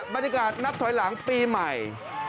บรรยากาศนับถอยหลังปีใหม่